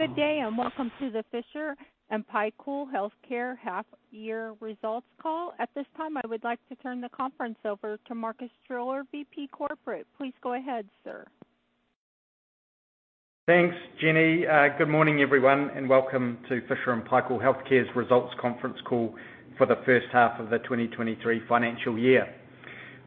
Good day. Welcome to the Fisher & Paykel Healthcare half-year results call. At this time, I would like to turn the conference over to Marcus Driller, VP Corporate. Please go ahead, sir. Thanks, Jenny. Good morning, everyone, welcome to Fisher & Paykel Healthcare's results conference call for the first half of the 2023 financial year.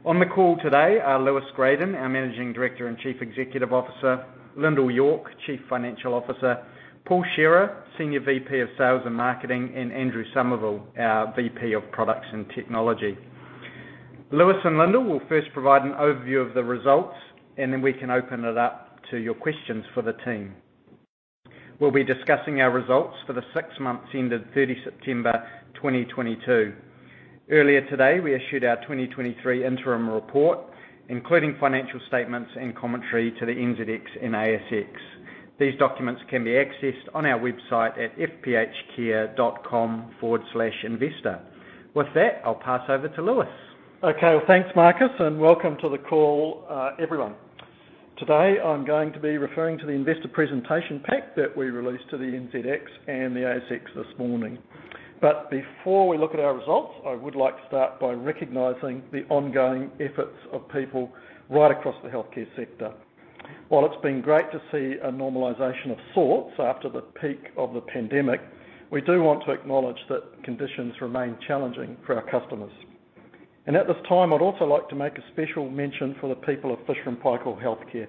On the call today are Lewis Gradon, our Managing Director and Chief Executive Officer, Lyndal York, Chief Financial Officer, Paul Shearer, Senior VP of Sales & Marketing, Andrew Somervell, our VP of Products & Technology. Lewis and Lyndal will first provide an overview of the results, then we can open it up to your questions for the team. We'll be discussing our results for the six months ending September 30, 2022. Earlier today, we issued our 2023 interim report, including financial statements and commentary to the NZX and ASX. These documents can be accessed on our website at fphcare.com/investor. With that, I'll pass over to Lewis. Okay. Well, thanks, Marcus, welcome to the call, everyone. Today, I'm going to be referring to the investor presentation pack that we released to the NZX and the ASX this morning. Before we look at our results, I would like to start by recognizing the ongoing efforts of people right across the healthcare sector. While it's been great to see a normalization of sorts after the peak of the pandemic, we do want to acknowledge that conditions remain challenging for our customers. At this time, I'd also like to make a special mention for the people of Fisher & Paykel Healthcare.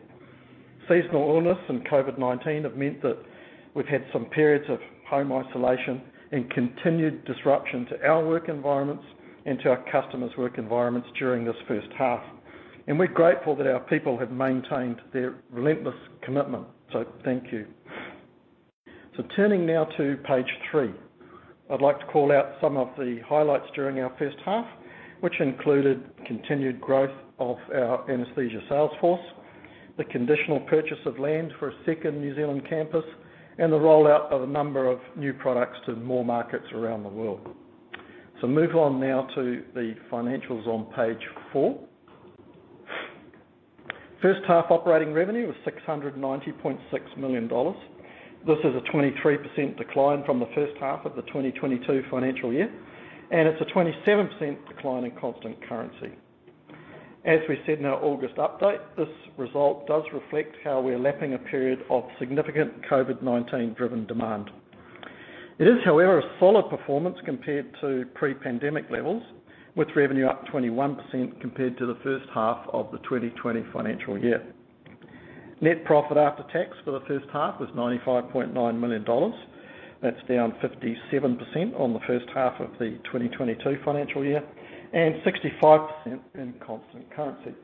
Seasonal illness and COVID-19 have meant that we've had some periods of home isolation and continued disruption to our work environments and to our customers' work environments during this first half. We're grateful that our people have maintained their relentless commitment, so thank you. Turning now to page three. I'd like to call out some of the highlights during our first half, which included continued growth of our anesthesia sales force, the conditional purchase of land for a second New Zealand campus, and the rollout of a number of new products to more markets around the world. Move on now to the financials on page four. First half operating revenue was 690.6 million dollars. This is a 23% decline from the first half of the 2022 financial year, and it's a 27% decline in constant currency. As we said in our August update, this result does reflect how we're lapping a period of significant COVID-19-driven demand. It is, however, a solid performance compared to pre-pandemic levels, with revenue up 21% compared to the first half of the 2020 financial year. Net profit after tax for the first half was 95.9 million dollars. That's down 57% on the first half of the 2022 financial year, and 65% in constant currency.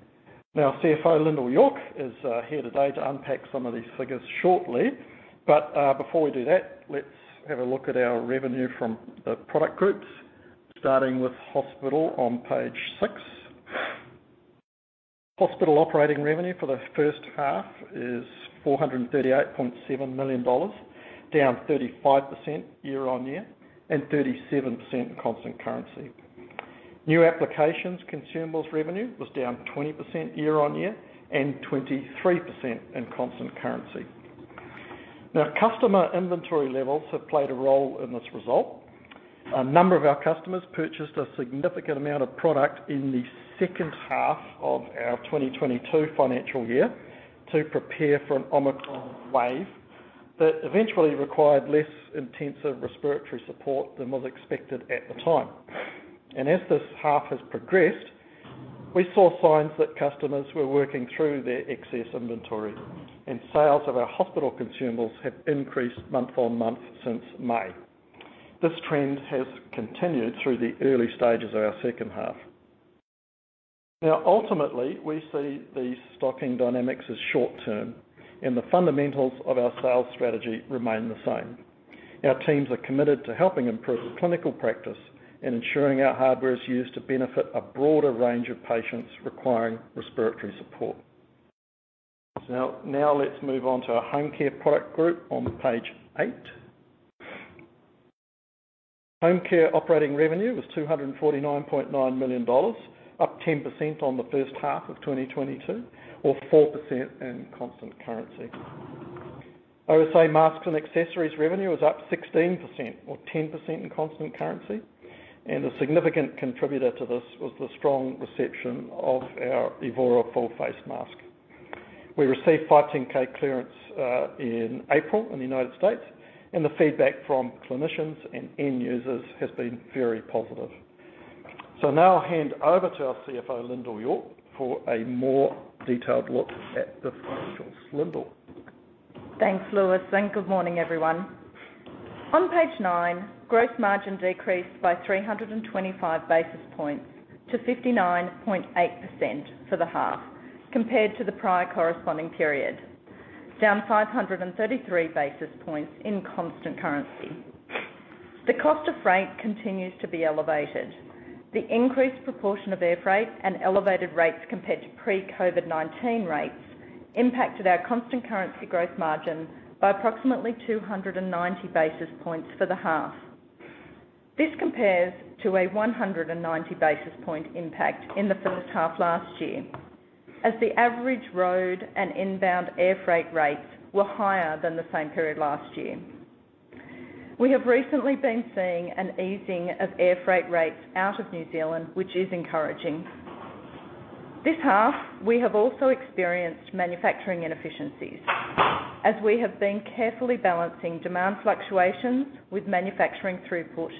CFO Lyndal York is here today to unpack some of these figures shortly. Before we do that, let's have a look at our revenue from the product groups, starting with Hospital on page six. Hospital operating revenue for the first half is 438.7 million dollars, down 35% year-on-year and 37% in constant currency. New applications consumables revenue was down 20% year-on-year and 23% in constant currency. Customer inventory levels have played a role in this result. A number of our customers purchased a significant amount of product in the second half of our 2022 financial year to prepare for an Omicron wave that eventually required less intensive respiratory support than was expected at the time. As this half has progressed, we saw signs that customers were working through their excess inventory, and sales of our Hospital consumables have increased month on month since May. This trend has continued through the early stages of our second half. Ultimately, we see these stocking dynamics as short-term, and the fundamentals of our sales strategy remain the same. Our teams are committed to helping improve clinical practice and ensuring our hardware is used to benefit a broader range of patients requiring respiratory support. Now, let's move on to our Homecare product group on page eight. Homecare operating revenue was 249.9 million dollars, up 10% on the first half of 2022 or 4% in constant currency. OSA masks and accessories revenue was up 16% or 10% in constant currency, and a significant contributor to this was the strong reception of our Evora Full face mask. We received 510(k) clearance in April in the United States, and the feedback from clinicians and end users has been very positive. Now I'll hand over to our CFO, Lyndal York, for a more detailed look at the financials. Lyndal? Thanks, Lewis, and good morning, everyone. On page nine, gross margin decreased by 325 basis points to 59.8% for the half compared to the prior corresponding period, down 533 basis points in constant currency. The cost of freight continues to be elevated. The increased proportion of air freight and elevated rates compared to pre-COVID-19 rates impacted our constant currency growth margin by approximately 290 basis points for the half. This compares to a 190 basis point impact in the first half last year, as the average road and inbound air freight rates were higher than the same period last year. We have recently been seeing an easing of air freight rates out of New Zealand, which is encouraging. This half, we have also experienced manufacturing inefficiencies as we have been carefully balancing demand fluctuations with manufacturing throughput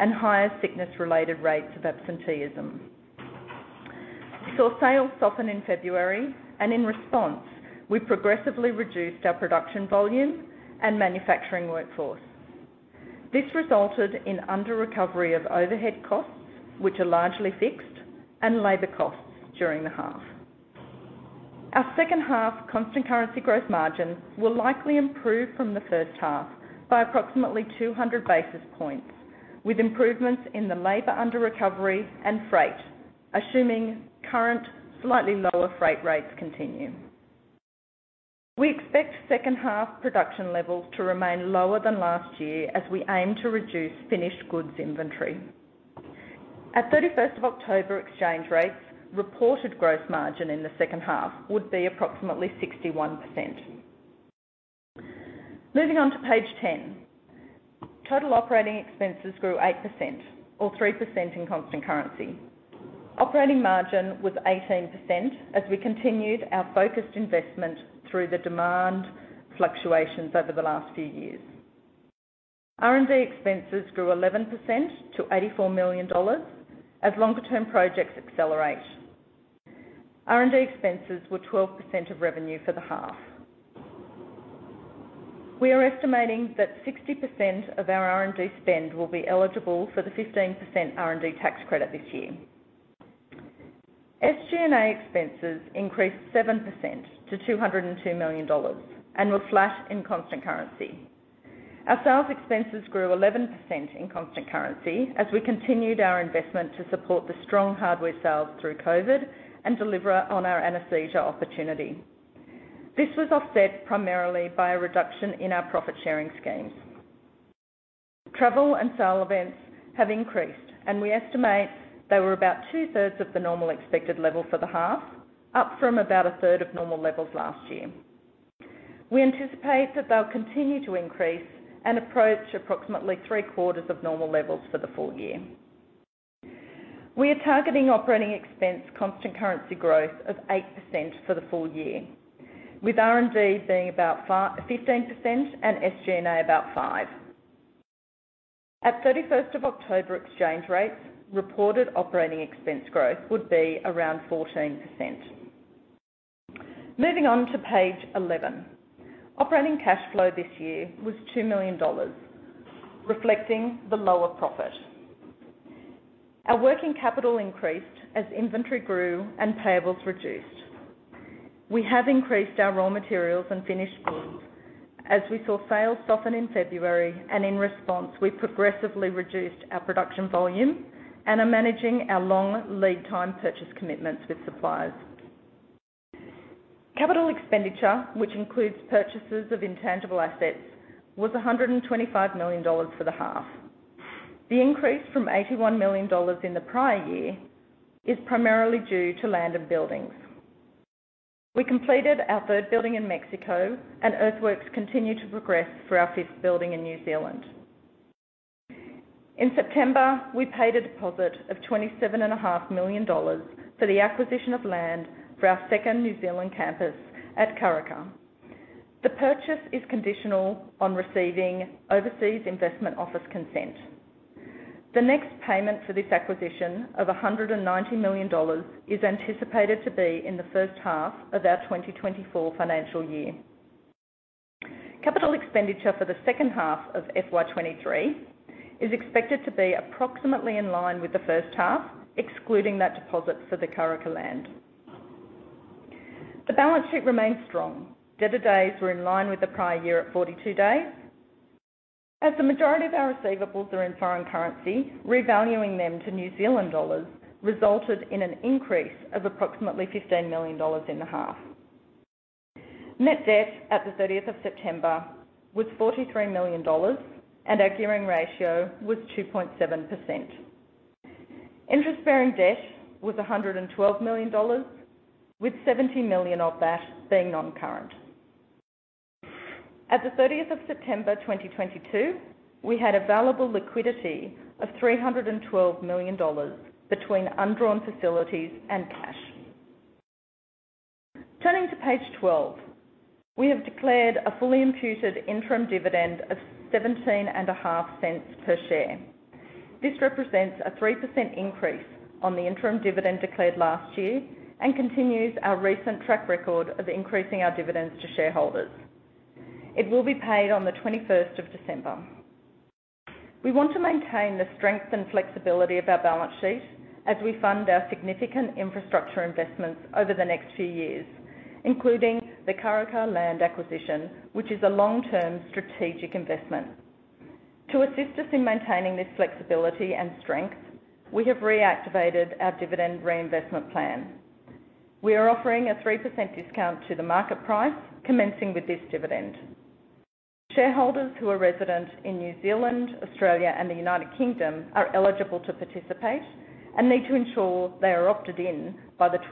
and higher sickness-related rates of absenteeism. We saw sales soften in February. In response, we progressively reduced our production volume and manufacturing workforce. This resulted in under recovery of overhead costs, which are largely fixed, and labor costs during the half. Our second half constant currency gross margin will likely improve from the first half by approximately 200 basis points, with improvements in the labor under recovery and freight, assuming current slightly lower freight rates continue. We expect second half production levels to remain lower than last year as we aim to reduce finished goods inventory. At October 31st, 2022 exchange rates, reported gross margin in the second half would be approximately 61%. Moving on to page 10. Total operating expenses grew 8% or 3% in constant currency. Operating margin was 18% as we continued our focused investment through the demand fluctuations over the last few years. R&D expenses grew 11% to 84 million dollars as longer term projects accelerate. R&D expenses were 12% of revenue for the half. We are estimating that 60% of our R&D spend will be eligible for the 15% R&D tax credit this year. SG&A expenses increased 7% to 202 million dollars and were flat in constant currency. Our sales expenses grew 11% in constant currency as we continued our investment to support the strong hardware sales through COVID and deliver on our anesthesia opportunity. This was offset primarily by a reduction in our profit sharing schemes. Travel and sale events have increased. We estimate they were about 2/3 of the normal expected level for the half, up from about a 1/3 of normal levels last year. We anticipate that they'll continue to increase and approach approximately 3/4 of normal levels for the full year. We are targeting operating expense constant currency growth of 8% for the full year, with R&D being about 15% and SG&A about 5%. At October 31st, 2022 exchange rates, reported operating expense growth would be around 14%. Moving on to page 11. Operating cash flow this year was 2 million dollars, reflecting the lower profit. Our working capital increased as inventory grew and payables reduced. We have increased our raw materials and finished goods as we saw sales soften in February. In response, we progressively reduced our production volume and are managing our long lead time purchase commitments with suppliers. Capital expenditure, which includes purchases of intangible assets, was 125 million dollars for the half. The increase from 81 million dollars in the prior year is primarily due to land and buildings. We completed our third building in Mexico. Earthworks continue to progress for our fifth building in New Zealand. In September, we paid a deposit of 27.5 million dollars for the acquisition of land for our second New Zealand campus at Karaka. The purchase is conditional on receiving Overseas Investment Office consent. The next payment for this acquisition of 190 million dollars is anticipated to be in the first half of our 2024 financial year. Capital expenditure for the second half of FY 2023 is expected to be approximately in line with the first half, excluding that deposit for the Karaka land. The balance sheet remains strong. Debtor days were in line with the prior year at 42 days. As the majority of our receivables are in foreign currency, revaluing them to NZD resulted in an increase of approximately 15 million dollars in the half. Net debt at the September 30th, 2022 was 43 million dollars, and our gearing ratio was 2.7%. Interest-bearing debt was 112 million dollars, with 70 million of that being non-current. At the September 30th, 2022, we had available liquidity of 312 million dollars between undrawn facilities and cash. Turning to page 12. We have declared a fully imputed interim dividend of 0.175 per share. This represents a 3% increase on the interim dividend declared last year and continues our recent track record of increasing our dividends to shareholders. It will be paid on the December 21st, 2022. We want to maintain the strength and flexibility of our balance sheet as we fund our significant infrastructure investments over the next few years, including the Karaka land acquisition, which is a long-term strategic investment. To assist us in maintaining this flexibility and strength, we have reactivated our dividend reinvestment plan. We are offering a 3% discount to the market price commencing with this dividend. Shareholders who are resident in New Zealand, Australia, and the United Kingdom are eligible to participate and need to ensure they are opted in by the December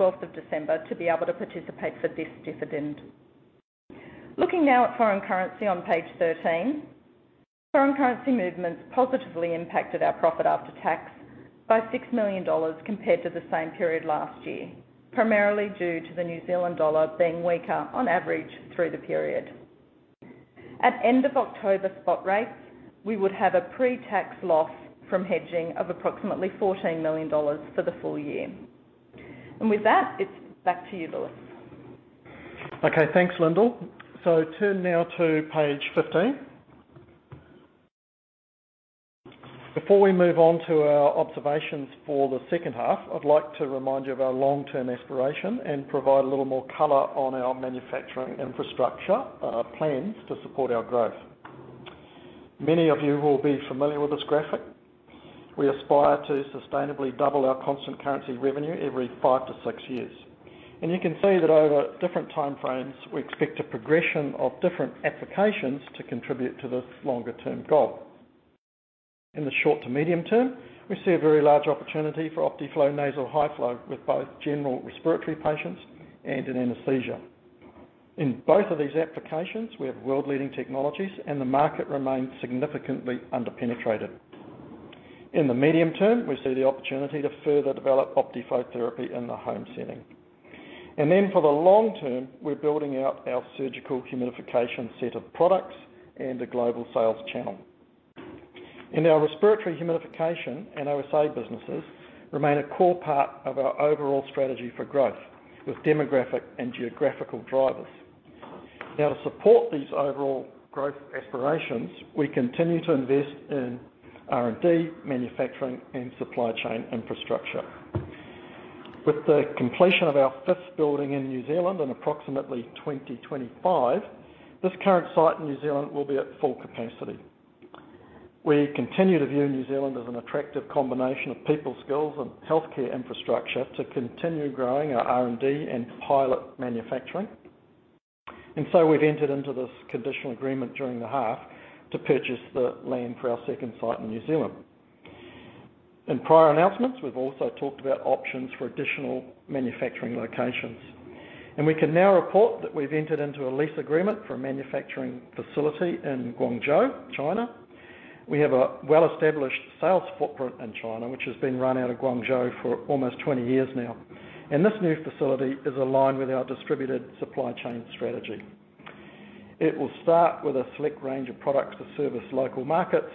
12th, 2022 to be able to participate for this dividend. Looking now at foreign currency on page 13. Foreign currency movements positively impacted our profit after tax by 6 million dollars compared to the same period last year, primarily due to the New Zealand dollar being weaker on average through the period. At end of October spot rates, we would have a pre-tax loss from hedging of approximately 14 million dollars for the full year. With that, it's back to you, Lewis. Okay, thanks, Lyndal. Turn now to page 15. Before we move on to our observations for the second half, I'd like to remind you of our long-term aspiration and provide a little more color on our manufacturing infrastructure, plans to support our growth. Many of you will be familiar with this graphic. We aspire to sustainably double our constant currency revenue every five to six years. You can see that over different time frames, we expect a progression of different applications to contribute to this longer-term goal. In the short to medium term, we see a very large opportunity for Optiflow nasal high flow with both general respiratory patients and in anesthesia. In both of these applications, we have world-leading technologies, and the market remains significantly under-penetrated. In the medium term, we see the opportunity to further develop Optiflow therapy in the home setting. For the long term, we're building out our surgical humidification set of products and a global sales channel. Our respiratory humidification and OSA businesses remain a core part of our overall strategy for growth, with demographic and geographical drivers. To support these overall growth aspirations, we continue to invest in R&D, manufacturing, and supply chain infrastructure. With the completion of our fifth building in New Zealand in approximately 2025, this current site in New Zealand will be at full capacity. We continue to view New Zealand as an attractive combination of people skills and healthcare infrastructure to continue growing our R&D and pilot manufacturing. We've entered into this conditional agreement during the half to purchase the land for our second site in New Zealand. In prior announcements, we've also talked about options for additional manufacturing locations, and we can now report that we've entered into a lease agreement for a manufacturing facility in Guangzhou, China. We have a well-established sales footprint in China, which has been run out of Guangzhou for almost 20 years now, and this new facility is aligned with our distributed supply chain strategy. It will start with a select range of products to service local markets,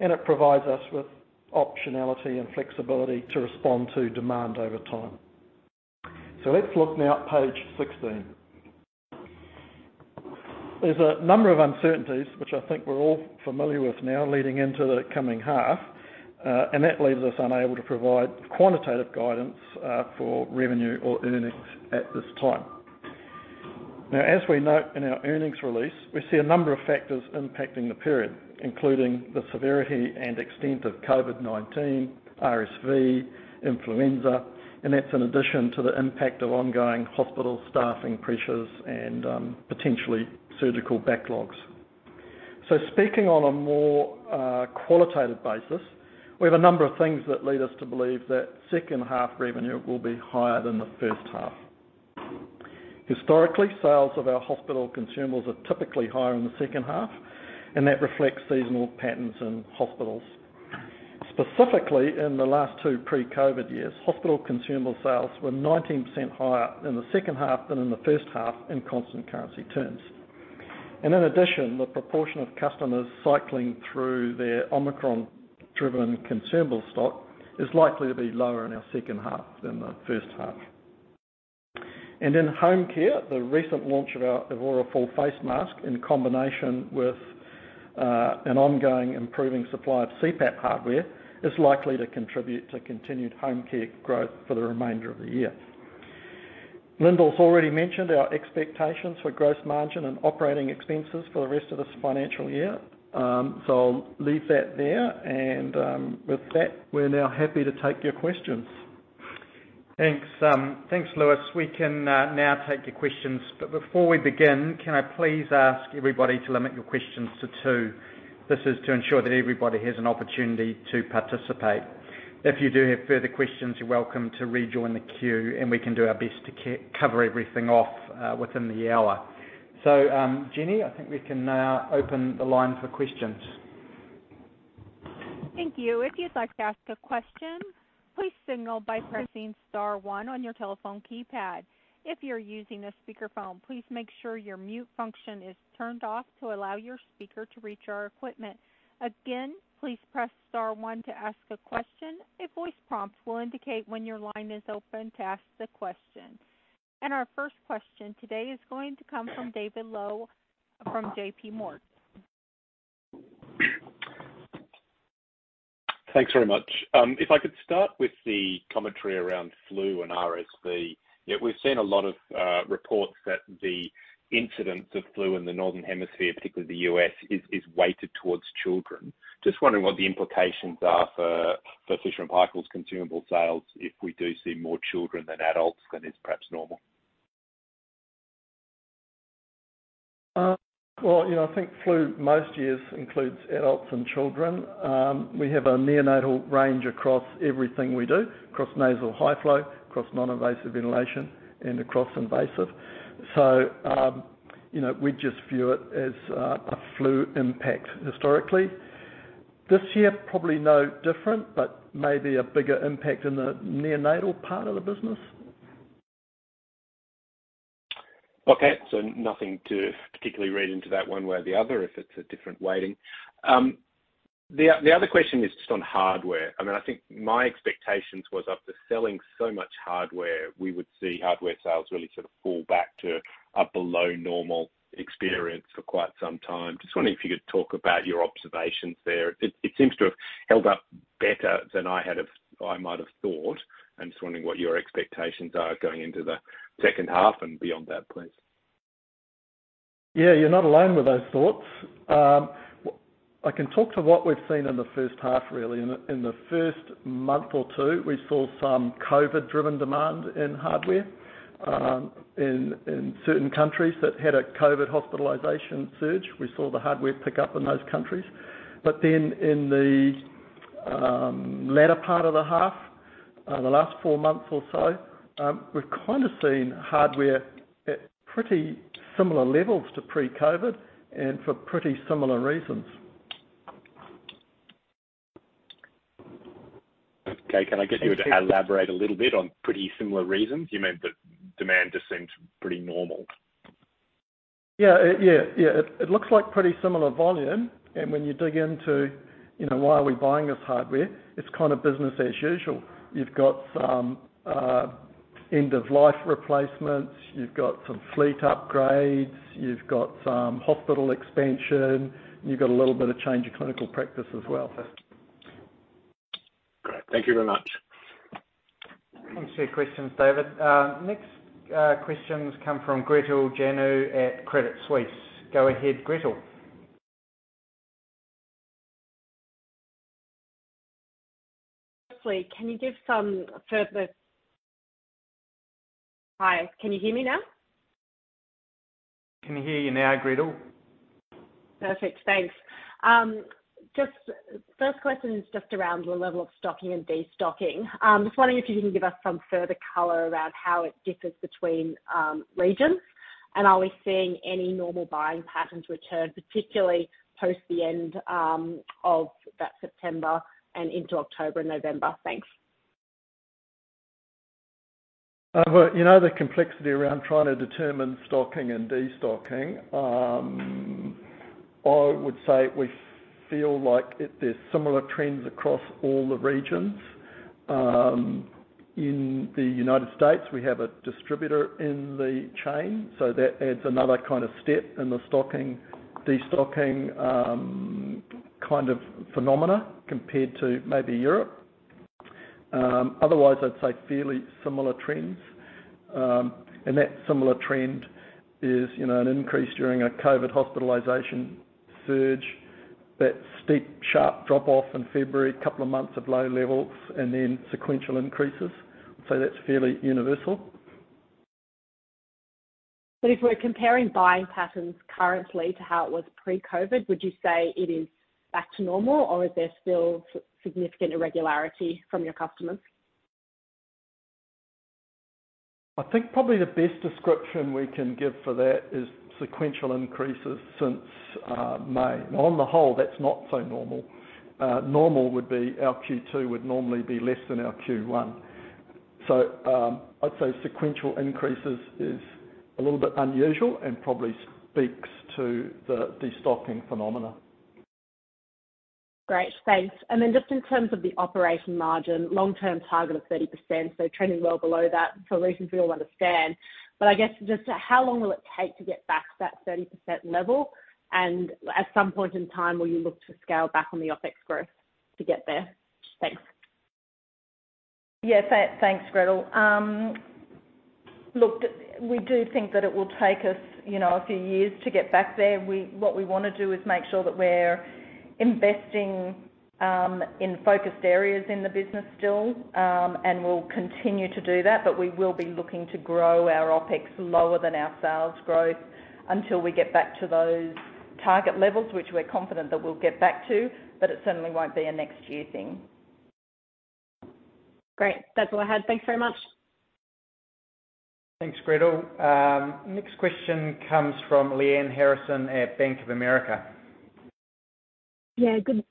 and it provides us with optionality and flexibility to respond to demand over time. Let's look now at page 16. There's a number of uncertainties which I think we're all familiar with now leading into the coming half, and that leaves us unable to provide quantitative guidance for revenue or earnings at this time. As we note in our earnings release, we see a number of factors impacting the period, including the severity and extent of COVID-19, RSV, influenza, and that's in addition to the impact of ongoing hospital staffing pressures and potentially surgical backlogs. Speaking on a more qualitative basis, we have a number of things that lead us to believe that second half revenue will be higher than the first half. Historically, sales of our Hospital consumables are typically higher in the second half, and that reflects seasonal patterns in hospitals. Specifically, in the last two pre-COVID years, Hospital consumable sales were 19% higher in the second half than in the first half in constant currency terms. In addition, the proportion of customers cycling through their Omicron-driven consumable stock is likely to be lower in our second half than the first half. In Homecare, the recent launch of our Evora Full, in combination with an ongoing improving supply of CPAP hardware, is likely to contribute to continued Homecare growth for the remainder of the year. Lyndal's already mentioned our expectations for gross margin and operating expenses for the rest of this financial year, so I'll leave that there. With that, we're now happy to take your questions. Thanks, thanks, Lewis. We can now take your questions. Before we begin, can I please ask everybody to limit your questions to two. This is to ensure that everybody has an opportunity to participate. If you do have further questions, you're welcome to rejoin the queue, and we can do our best to cover everything off within the hour. Jenny, I think we can now open the line for questions. Thank you. If you'd like to ask a question, please signal by pressing star one on your telephone keypad. If you're using a speakerphone, please make sure your mute function is turned off to allow your speaker to reach our equipment. Again, please press star one to ask a question. A voice prompt will indicate when your line is open to ask the question. Our first question today is going to come from David Low from JPMorgan. Thanks very much. If I could start with the commentary around flu and RSV. Yeah, we've seen a lot of reports that the incidence of flu in the Northern Hemisphere, particularly the US, is weighted towards children. Just wondering what the implications are for Fisher & Paykel's consumable sales if we do see more children than adults than is perhaps normal. You know, I think flu most years includes adults and children. We have a neonatal range across everything we do, across nasal high flow, across noninvasive ventilation and across invasive. You know, we just view it as a flu impact historically. This year, probably no different, but maybe a bigger impact in the neonatal part of the business. Nothing to particularly read into that one way or the other, if it's a different weighting. The other question is just on hardware. I mean, I think my expectations was after selling so much hardware, we would see hardware sales really sort of fall back to a below normal experience for quite some time. Just wondering if you could talk about your observations there. It seems to have held up better than I might have thought. I'm just wondering what your expectations are going into the second half and beyond that, please. Yeah, you're not alone with those thoughts. I can talk to what we've seen in the first half really. In the first month or two, we saw some COVID-driven demand in hardware, in certain countries that had a COVID hospitalization surge. We saw the hardware pick up in those countries. In the latter part of the half, the last four months or so, we've kinda seen hardware at pretty similar levels to pre-COVID and for pretty similar reasons. Okay. Can I get you to elaborate a little bit on pretty similar reasons? You meant that demand just seems pretty normal. Yeah. Yeah. Yeah. It looks like pretty similar volume. When you dig into, you know, why are we buying this hardware, it's kinda business as usual. You've got some end of life replacements, you've got some fleet upgrades, you've got some hospital expansion, and you've got a little bit of change of clinical practice as well. Great. Thank you very much. Thanks for your questions, David. Next questions come from Gretel Janu at Credit Suisse. Go ahead, Gretel. Hi, can you hear me now? Can hear you now, Gretel. Perfect. Thanks. just first question is just around the level of stocking and destocking. just wondering if you can give us some further color around how it differs between regions? Are we seeing any normal buying patterns return, particularly post the end of that September and into October and November? Thanks. Well, you know, the complexity around trying to determine stocking and destocking, I would say we feel like it, there's similar trends across all the regions. In the United States, we have a distributor in the chain, so that adds another kind of step in the stocking, destocking, kind of phenomena compared to maybe Europe. Otherwise, I'd say fairly similar trends. And that similar trend is, you know, an increase during a COVID hospitalization surge, that steep, sharp drop-off in February, two months of low levels and then sequential increases. That's fairly universal. if we're comparing buying patterns currently to how it was pre-COVID, would you say it is back to normal or is there still significant irregularity from your customers? I think probably the best description we can give for that is sequential increases since May. On the whole, that's not so normal. Normal would be our Q2 would normally be less than our Q1. I'd say sequential increases is a little bit unusual and probably speaks to the destocking phenomena. Great. Thanks. Just in terms of the operating margin, long-term target of 30%, so trending well below that for reasons we all understand. I guess just how long will it take to get back to that 30% level? At some point in time, will you look to scale back on the OpEx growth to get there? Thanks. Thanks, Gretel. Look, we do think that it will take us, you know, a few years to get back there. What we wanna do is make sure that we're investing in focused areas in the business still. We'll continue to do that, but we will be looking to grow our OpEx lower than our sales growth until we get back to those target levels, which we're confident that we'll get back to, but it certainly won't be a next year thing. Great. That's all I had. Thanks very much. Thanks, Gretel. Next question comes from Lyanne Harrison at Bank of America. Good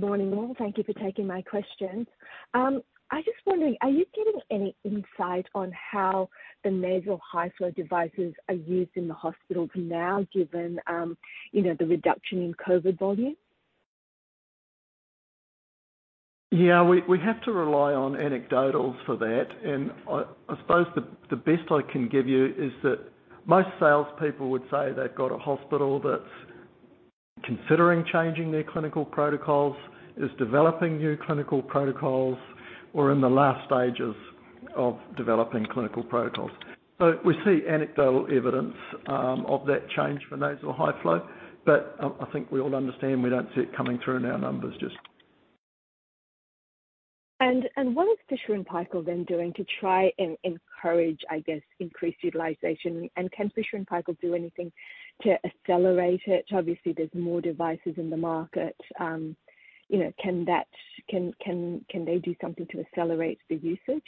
morning, all. Thank you for taking my questions. I was just wondering, are you getting any insight on how the nasal high flow devices are used in the hospitals now, given, you know, the reduction in COVID volume? Yeah, we have to rely on anecdotal for that. I suppose the best I can give you is that most salespeople would say they've got a hospital that's considering changing their clinical protocols, is developing new clinical protocols or in the last stages of developing clinical protocols. We see anecdotal evidence of that change for nasal high flow. I think we all understand we don't see it coming through in our numbers just yet. What is Fisher & Paykel then doing to try and encourage, I guess, increased utilization? Can Fisher & Paykel do anything to accelerate it? Obviously, there's more devices in the market. you know, can they do something to accelerate the usage?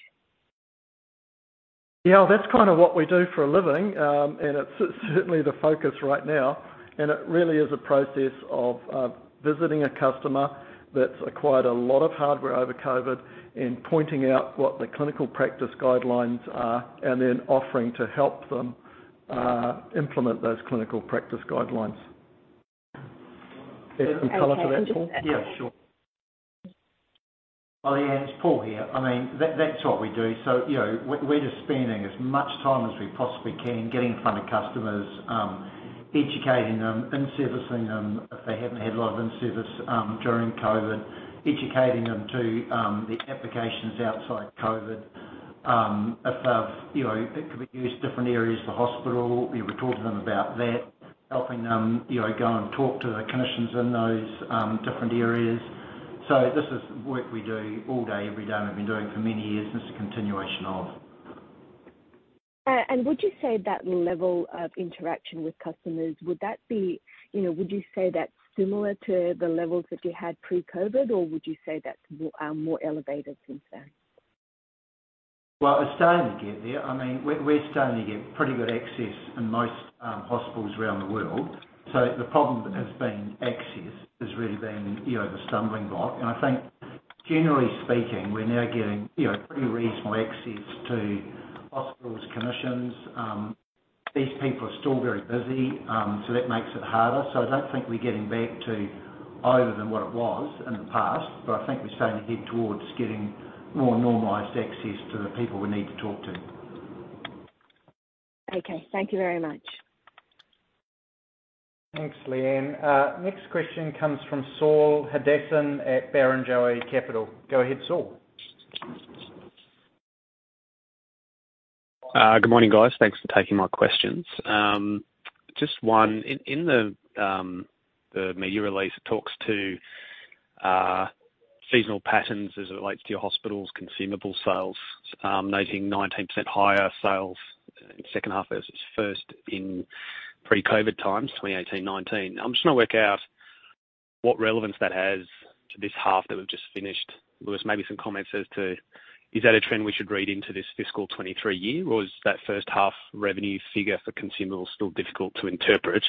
Yeah. That's kinda what we do for a living. It's certainly the focus right now, and it really is a process of visiting a customer that's acquired a lot of hardware over COVID, and pointing out what the clinical practice guidelines are, and then offering to help them implement those clinical practice guidelines. Paul, do you want to add some color to that at all? Okay. Yeah, sure. Oh, yeah. It's Paul here. I mean, that's what we do. You know, we're just spending as much time as we possibly can getting in front of customers, educating them, in-servicing them if they haven't had a lot of in-service during COVID. Educating them to the applications outside COVID. If they've, you know, it could be used different areas of the hospital, you know, we're talking to them about that. Helping them, you know, go and talk to the clinicians in those different areas. This is work we do all day, every day, and we've been doing for many years. This is a continuation of. Would you say that level of interaction with customers, would that be, you know, would you say that's similar to the levels that you had pre-COVID, or would you say that's more elevated since then? Well, we're starting to get there. I mean, we're starting to get pretty good access in most hospitals around the world. The problem has been access, has really been, you know, the stumbling block. I think generally speaking, we're now getting, you know, pretty reasonable access to hospitals, clinicians. These people are still very busy, so that makes it harder. I don't think we're getting back to over than what it was in the past, but I think we're starting to head towards getting more normalized access to the people we need to talk to. Okay. Thank you very much. Thanks, Lyanne. Next question comes from Saul Hadassin at Barrenjoey Capital. Go ahead, Saul. Good morning, guys. Thanks for taking my questions. Just one. In, in the media release, it talks to seasonal patterns as it relates to your hospitals, consumable sales, noting 19% higher sales in second half as it's first in pre-COVID-19 times, 2018-2019. I'm just trying to work out what relevance that has to this half that we've just finished. Lewis, maybe some comments as to is that a trend we should read into this fiscal 2023 year, or is that first half revenue figure for consumables still difficult to interpret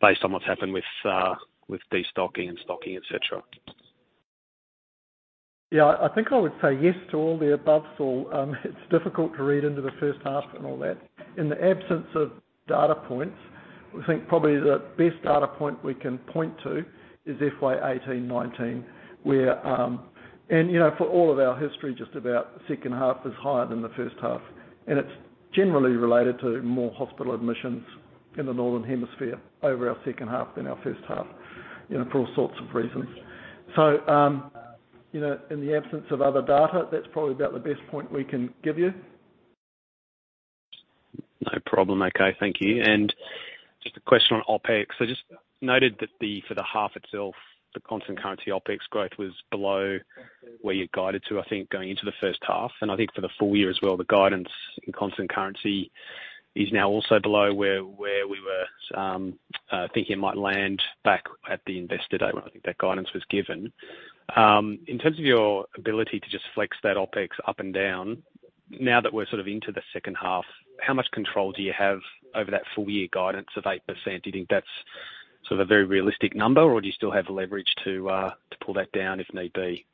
based on what's happened with destocking and stocking, et cetera? Yeah. I think I would say yes to all the above, Saul. It's difficult to read into the first half and all that. In the absence of data points, we think probably the best data point we can point to is FY 2018-2019, where... You know, for all of our history, just about second half is higher than the first half, and it's generally related to more hospital admissions in the Northern Hemisphere over our second half than our first half, you know, for all sorts of reasons. You know, in the absence of other data, that's probably about the best point we can give you. No problem. Okay. Thank you. Just a question on OpEx. I just noted that the, for the half itself, the constant currency OpEx growth was below where you guided to, I think, going into the first half, and I think for the full year as well, the guidance in constant currency is now also below where we were thinking it might land back at the Investor Day when I think that guidance was given. In terms of your ability to just flex that OpEx up and down, now that we're sort of into the second half, how much control do you have over that full year guidance of 8%? Do you think that's sort of a very realistic number, or do you still have leverage to pull that down if need be?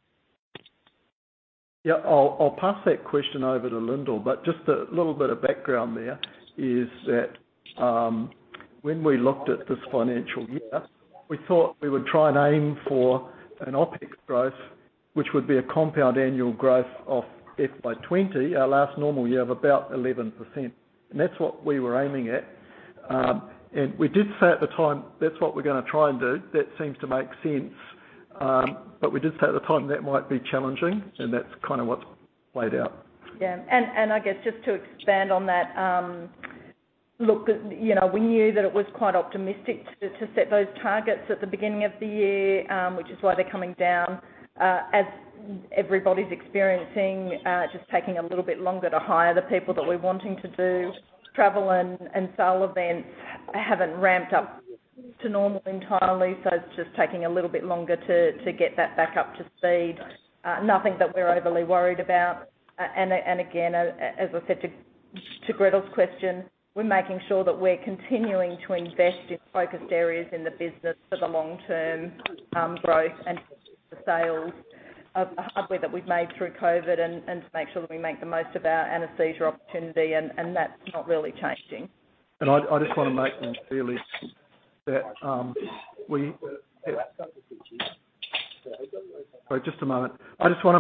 Yeah. I'll pass that question over to Lyndal, but just a little bit of background there is that when we looked at this financial year, we thought we would try and aim for an OpEx growth, which would be a compound annual growth of FY 2020, our last normal year of about 11%. That's what we were aiming at. We did say at the time, that's what we're gonna try and do. That seems to make sense. We did say at the time that might be challenging, and that's kinda what's played out. Yeah. I guess just to expand on that, look, you know, we knew that it was quite optimistic to set those targets at the beginning of the year, which is why they're coming down. As everybody's experiencing, just taking a little bit longer to hire the people that we're wanting to do. Travel and sale events haven't ramped up to normal entirely, so it's just taking a little bit longer to get that back up to speed. Nothing that we're overly worried about. Again, as I said to Gretel's question, we're making sure that we're continuing to invest in focused areas in the business for the long-term, growth and the sales of the hardware that we've made through COVID and to make sure that we make the most of our anesthesia opportunity, and that's not really changing. I just wanna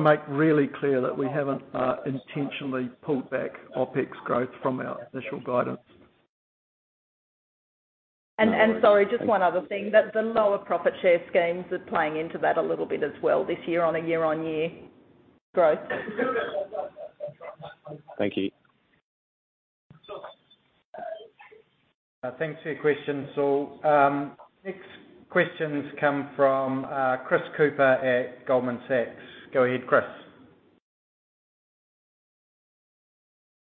make really clear that we haven't intentionally pulled back OpEx growth from our initial guidance. No worries. Thank you. Sorry, just one other thing, that the lower profit share schemes are playing into that a little bit as well this year on a year-on-year growth. Thank you. Thanks for your questions. Next questions come from Chris Cooper at Goldman Sachs. Go ahead, Chris.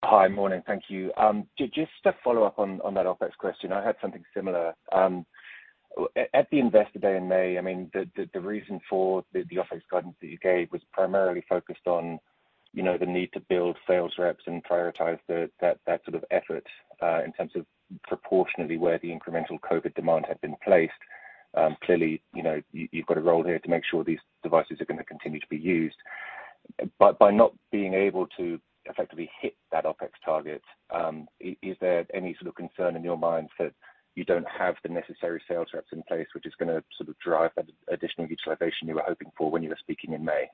Hi. Morning. Thank you. Just to follow up on that OpEx question, I had something similar. At the Investor Day in May, I mean, the reason for the OpEx guidance that you gave was primarily focused on, you know, the need to build sales reps and prioritize that sort of effort in terms of proportionately where the incremental COVID demand had been placed. Clearly, you know, you've got a role here to make sure these devices are gonna continue to be used. By not being able to effectively hit that OpEx target, is there any sort of concern in your mind that you don't have the necessary sales reps in place which is gonna sort of drive that additional utilization you were hoping for when you were speaking in May?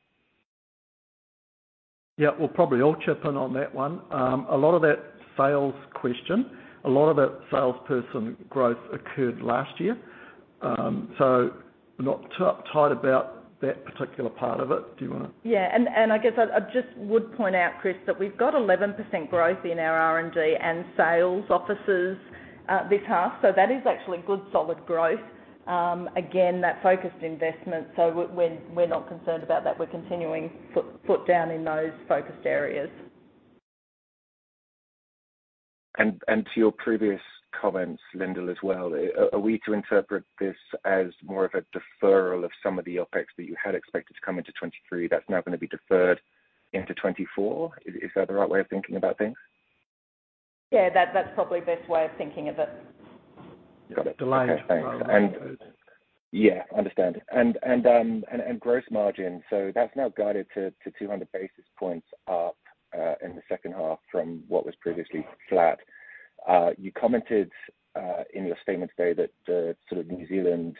Yeah. We'll probably all chip in on that one. A lot of that sales question, a lot of that salesperson growth occurred last year, not tied about that particular part of it. Yeah. I guess I just would point out, Chris, that we've got 11% growth in our R&D and sales offices, this half, so that is actually good, solid growth. Again, that focused investment, so we're not concerned about that. We're continuing foot down in those focused areas. To your previous comments, Lyndal, as well, are we to interpret this as more of a deferral of some of the OpEx that you had expected to come into 2023 that's now gonna be deferred into 2024? Is that the right way of thinking about things? Yeah. That's probably the best way of thinking of it. Got it. Delayed rather than deferred. Okay. Thanks. Yeah, understand. Gross margin, so that's now guided to 200 basis points up in the second half from what was previously flat. You commented in your statement today that the sort of New Zealand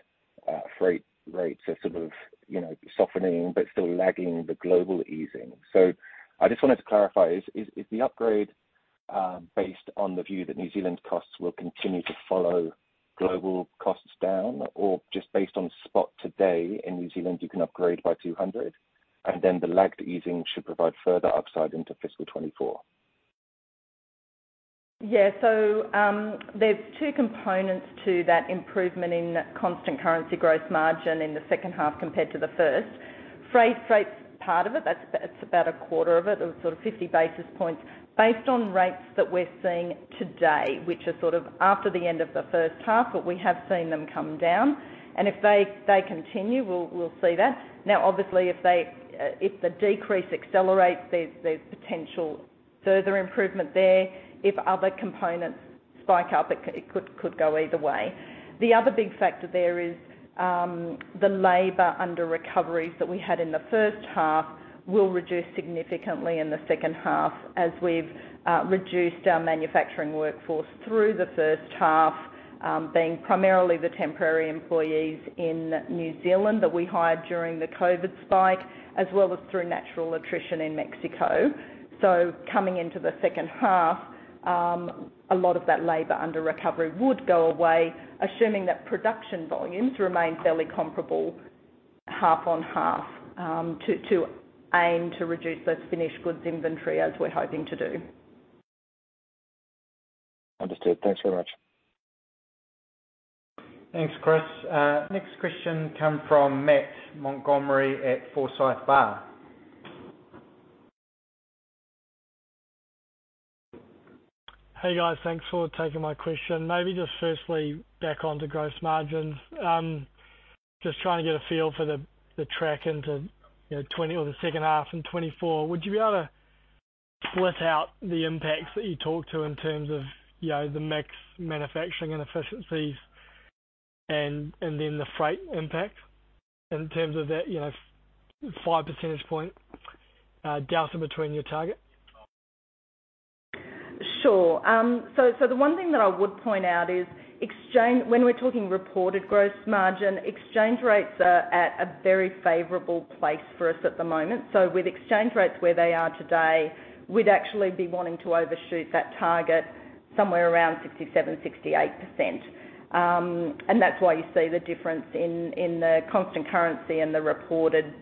freight rates are sort of, you know, softening but still lagging the global easing. I just wanted to clarify, is the upgrade based on the view that New Zealand's costs will continue to follow global costs down? Or just based on spot today in New Zealand, you can upgrade by 200, and then the lagged easing should provide further upside into fiscal 2024? There's two components to that improvement in constant currency gross margin in the second half compared to the first. Freight rate's part of it. That's about a quarter of it or sort of 50 basis points based on rates that we're seeing today, which are sort of after the end of the first half. We have seen them come down, and if they continue, we'll see that. Obviously, if the decrease accelerates, there's potential further improvement there. If other components spike up, it could go either way. The other big factor there is the labor under recoveries that we had in the first half will reduce significantly in the second half as we've reduced our manufacturing workforce through the first half, being primarily the temporary employees in New Zealand that we hired during the COVID spike, as well as through natural attrition in Mexico. Coming into the second half, a lot of that labor under recovery would go away, assuming that production volumes remain fairly comparable half-on-half, to aim to reduce those finished goods inventory as we're hoping to do. Understood. Thanks very much. Thanks, Chris. Next question come from Matt Montgomerie at Forsyth Barr. Hey, guys. Thanks for taking my question. Maybe just firstly back onto gross margins. Just trying to get a feel for the track into, you know, 2020 or the second half and 2024. Would you be able to split out the impacts that you talked to in terms of, you know, the mix manufacturing and efficiencies and then the freight impact in terms of that, you know, 5 percentage point delta between your target? Sure. The one thing that I would point out is when we're talking reported gross margin, exchange rates are at a very favorable place for us at the moment. With exchange rates where they are today, we'd actually be wanting to overshoot that target somewhere around 67%-68%. That's why you see the difference in the constant currency and the reported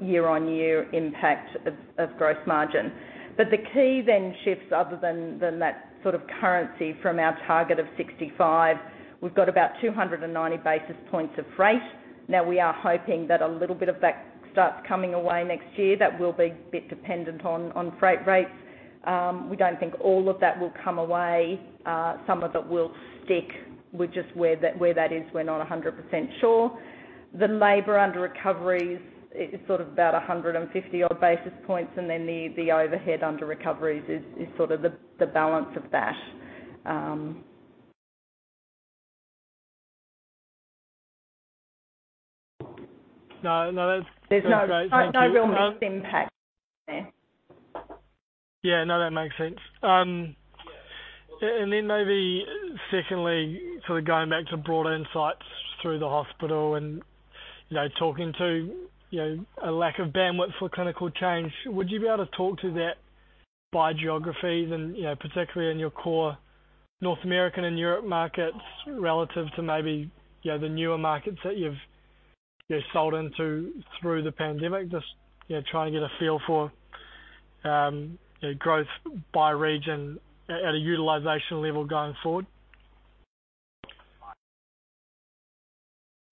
year-on-year impact of gross margin. The key shifts other than that sort of currency from our target of 65%. We've got about 290 basis points of freight. Now, we are hoping that a little bit of that starts coming away next year. That will be a bit dependent on freight rates. We don't think all of that will come away. Some of it will stick. We're just where that is, we're not 100% sure. The labor under recoveries is sort of about 150 odd basis points, the overhead under recoveries is sort of the balance of that. No. No. There's no- That's great. Thank you. No, no real mixed impact there. Yeah. No, that makes sense. Maybe secondly, sort of going back to broader insights through the Hospital and, you know, talking to, you know, a lack of bandwidth for clinical change, would you be able to talk to that by geographies and, you know, particularly in your core North American and Europe markets relative to maybe, you know, the newer markets that you've sold into through the pandemic? Just, you know, trying to get a feel for growth by region at a utilization level going forward.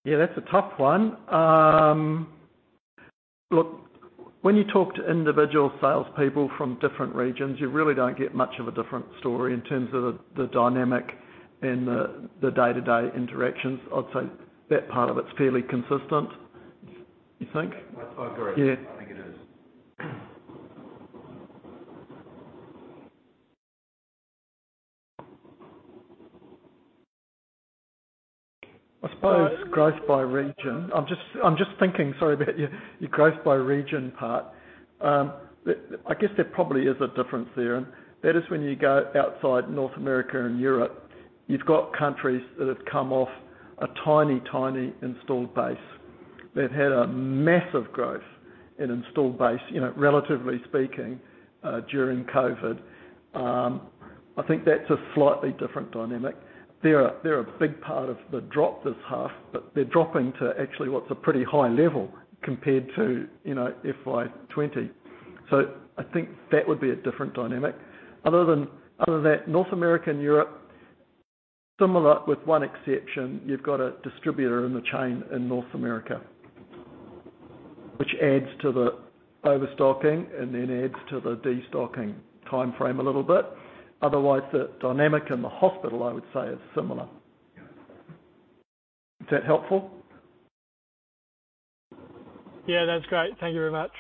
Yeah, that's a tough one. Look, when you talk to individual salespeople from different regions, you really don't get much of a different story in terms of the dynamic in the day-to-day interactions. I'd say that part of it's fairly consistent. You think? I agree. Yeah. I think it is. I suppose growth by region. I'm just thinking, sorry about your growth by region part. The, I guess there probably is a difference there, and that is when you go outside North America and Europe, you've got countries that have come off a tiny installed base. They've had a massive growth in installed base, you know, relatively speaking, during COVID. I think that's a slightly different dynamic. They're a big part of the drop this half, but they're dropping to actually what's a pretty high level compared to, you know, FY 2020. I think that would be a different dynamic. Other than that, North America and Europe, similar with one exception, you've got a distributor in the chain in North America, which adds to the overstocking and then adds to the destocking timeframe a little bit. Otherwise, the dynamic in the hospital, I would say, is similar. Is that helpful? Yeah, that's great. Thank you very much.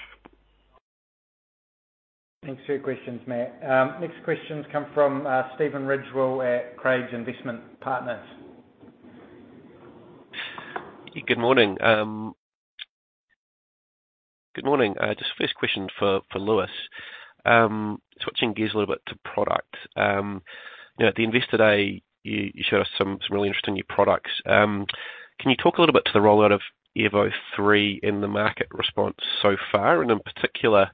Thanks for your questions, Matt. Next questions come from Stephen Ridgewell at Craigs Investment Partners. Good morning. Good morning. Just first question for Lewis. Switching gears a little bit to product. You know, at the Investor Day, you showed us some really interesting new products. Can you talk a little bit to the rollout of Airvo 3 and the market response so far, and in particular,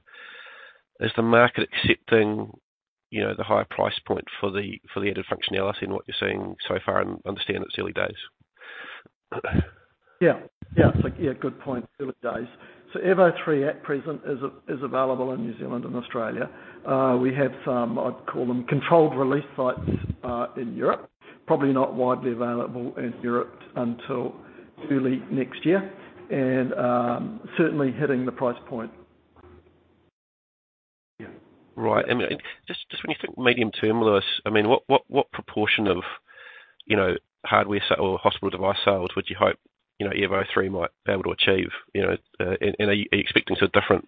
is the market accepting, you know, the higher price point for the added functionality and what you're seeing so far, and understand it's early days? Yeah. Yeah. Yeah, good point. Early days. Airvo 3 at present is available in New Zealand and Australia. We have some, I'd call them, controlled release sites in Europe, probably not widely available in Europe until early next year and certainly hitting the price point. Right. I mean, just when you think medium term, Lewis, I mean, what proportion of, you know, hardware or Hospital device sales would you hope, you know, Airvo 3 might be able to achieve? You know, and are you expecting sort of different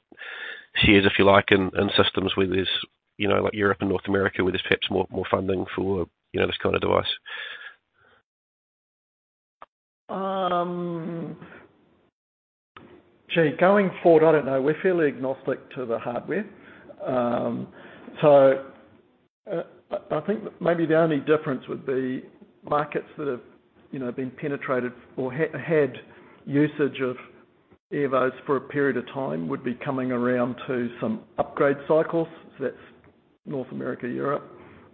tiers, if you like, in systems where there's, you know, like Europe and North America, where there's perhaps more funding for, you know, this kind of device? Gee, going forward, I don't know. We're fairly agnostic to the hardware. I think maybe the only difference would be markets that have, you know, been penetrated or had usage of Airvo for a period of time would be coming around to some upgrade cycles. That's North America, Europe,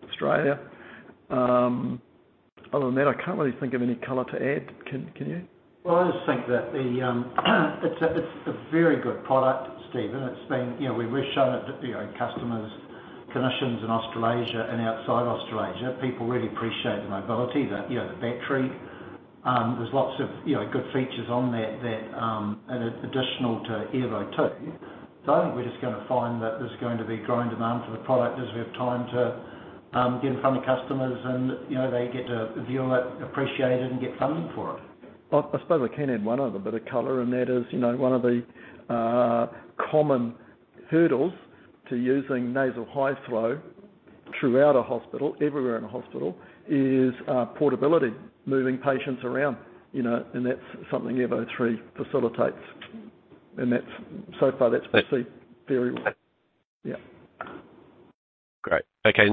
Australia. Other than that, I can't really think of any color to add. Can you? Well, I just think that the, it's a, it's a very good product, Stephen. It's been, you know, we've shown it to, you know, customers, clinicians in Australasia and outside Australasia. People really appreciate the mobility, the, you know, the battery. There's lots of, you know, good features on that, and additional to Airvo 2. I think we're just gonna find that there's going to be growing demand for the product as we have time to get in front of customers and, you know, they get to view it, appreciate it, and get funding for it. I suppose I can add one other bit of color, and that is, you know, one of the common hurdles to using nasal high flow throughout a hospital, everywhere in a hospital is portability, moving patients around, you know, and that's something Airvo 3 facilitates. So far that's received very well. Yeah. Great. Okay.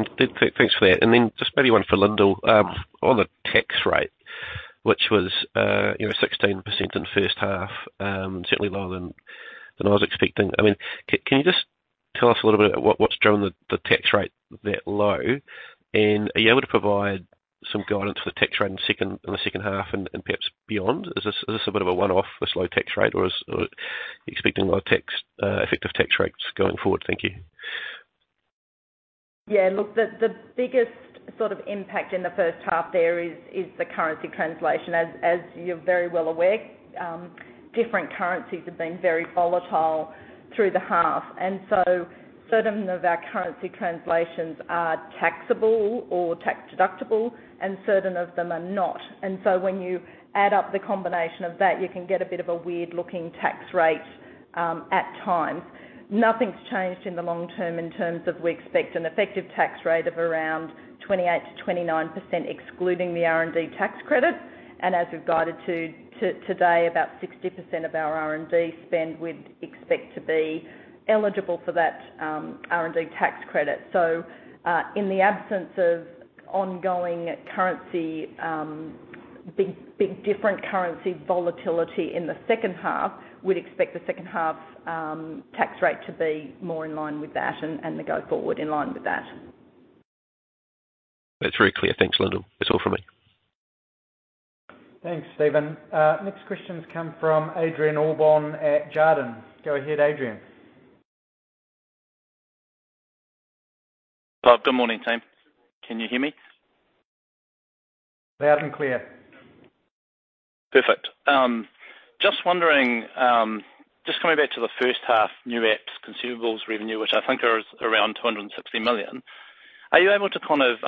Thanks for that. Then just maybe one for Lyndal. On the tax rate, which was, you know, 16% in the first half, certainly lower than I was expecting. I mean, can you just tell us a little bit what's driven the tax rate that low? Are you able to provide some guidance for the tax rate in the second half and perhaps beyond? Is this a bit of a one-off, this low tax rate, or are you expecting low tax effective tax rates going forward? Thank you. Yeah, look, the biggest sort of impact in the first half there is the currency translation. As you're very well aware, different currencies have been very volatile through the half. Certain of our currency translations are taxable or tax-deductible, and certain of them are not. When you add up the combination of that, you can get a bit of a weird-looking tax rate at times. Nothing's changed in the long term in terms of we expect an effective tax rate of around 28%-29%, excluding the R&D tax credit. As we've guided to today, about 60% of our R&D spend, we'd expect to be eligible for that R&D tax credit. In the absence of ongoing currency, big different currency volatility in the second half, we'd expect the second half's tax rate to be more in line with that and the go forward in line with that. That's very clear. Thanks, Lyndal. That's all from me. Thanks, Stephen. Next questions come from Adrian Allbon at Jarden. Go ahead, Adrian. Good morning, team. Can you hear me? Loud and clear. Perfect. Just wondering, just coming back to the first half new applications consumables revenue, which I think is around 260 million. Are you able to kind of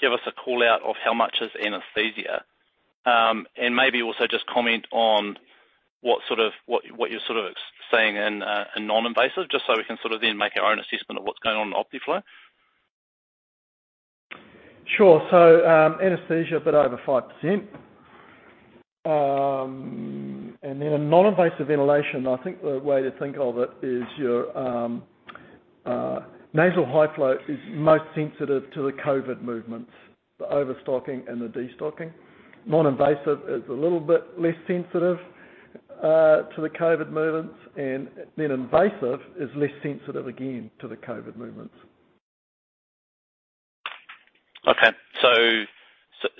give us a call out of how much is anesthesia? Maybe also just comment on what sort of what you're sort of seeing in noninvasive, just so we can sort of then make our own assessment of what's going on in Optiflow. Sure. anesthesia, a bit over 5%. A noninvasive ventilation, I think the way to think of it is your nasal high flow is most sensitive to the COVID movements, the overstocking and the destocking. Noninvasive is a little bit less sensitive to the COVID movements, invasive is less sensitive again to the COVID movements. Okay.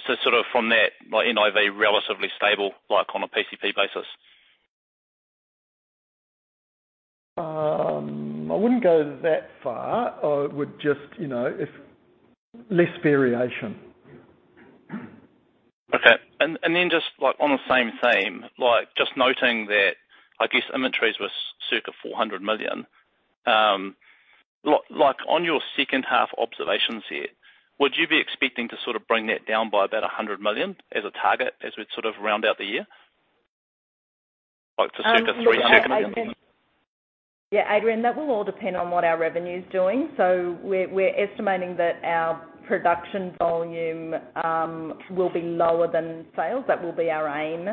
Sort of from that, like NIV, relatively stable, like on a PCP basis. I wouldn't go that far. I would just, you know, if less variation. Okay. Then just like on the same theme, like just noting that, I guess inventories were circa 400 million. like on your second half observations here, would you be expecting to sort of bring that down by about 100 million as a target as we sort of round out the year? Like to circa 300 million. Adrian, that will all depend on what our revenue's doing. We're estimating that our production volume will be lower than sales. That will be our aim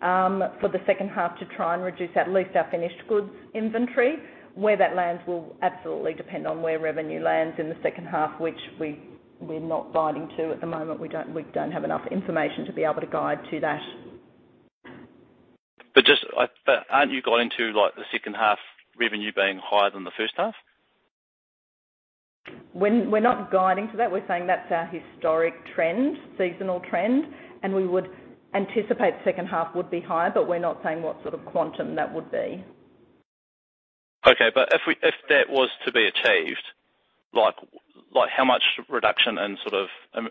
for the second half, to try and reduce at least our finished goods inventory. Where that lands will absolutely depend on where revenue lands in the second half, which we're not guiding to at the moment. We don't have enough information to be able to guide to that. Aren't you guiding to, like, the second half revenue being higher than the first half? We're not guiding to that. We're saying that's our historic trend, seasonal trend. We would anticipate second half would be higher. We're not saying what sort of quantum that would be. Okay. if we, if that was to be achieved, like how much reduction in sort of,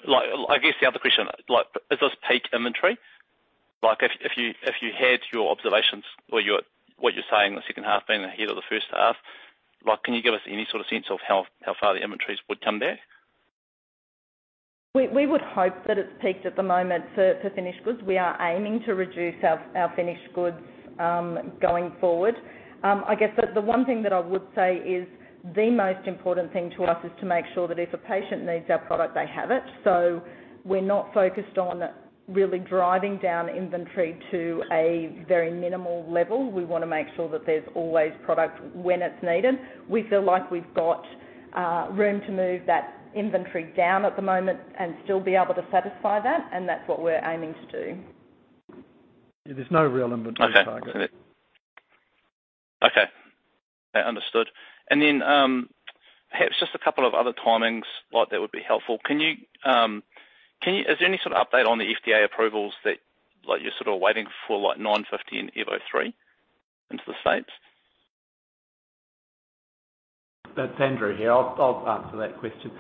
like I guess the other question, like is this peak inventory? Like if you had your observations or your what you're saying the second half being ahead of the first half, like can you give us any sort of sense of how far the inventories would come back? We would hope that it's peaked at the moment for finished goods. We are aiming to reduce our finished goods going forward. I guess the one thing that I would say is the most important thing to us is to make sure that if a patient needs our product, they have it. We're not focused on really driving down inventory to a very minimal level. We wanna make sure that there's always product when it's needed. We feel like we've got room to move that inventory down at the moment and still be able to satisfy that, and that's what we're aiming to do. Yeah, there's no real inventory target. Okay. Understood. Perhaps just a couple of other timings that would be helpful. Is there any sort of update on the FDA approvals that you're sort of waiting for F&P 950 and Airvo 3 into the States? That's Andrew here. I'll answer that question.